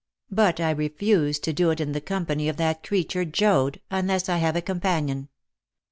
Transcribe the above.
But I refuse to do so in the company of that creature Joad, unless I have a companion.